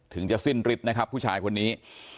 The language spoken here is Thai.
ถึงจะสิ้นฤทธิ์นะครับผู้ชายคนนี้